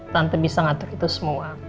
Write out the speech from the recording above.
tante bisa ngatur itu semua